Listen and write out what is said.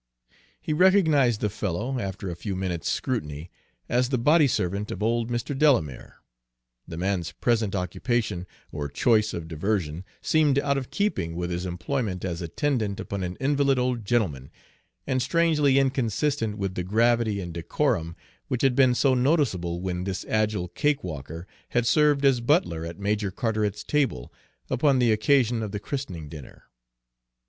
He recognized the fellow, after a few minutes' scrutiny, as the body servant of old Mr. Delamere. The man's present occupation, or choice of diversion, seemed out of keeping with his employment as attendant upon an invalid old gentleman, and strangely inconsistent with the gravity and decorum which had been so noticeable when this agile cakewalker had served as butler at Major Carteret's table, upon the occasion of the christening dinner.